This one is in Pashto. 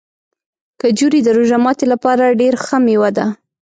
کجورې د روژه ماتي لپاره ډېره ښه مېوه ده.